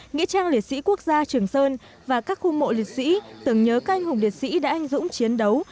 nghĩa trang liệt sĩ quốc gia trường sơn và các khu mộ liệt sĩ tưởng nhớ canh hùng liệt sĩ đã anh dũng chiến đấu